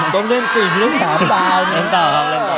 ต้องเล่นจริงเล่น๓ดาว